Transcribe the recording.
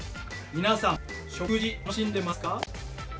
皆さん食事楽しんでますか？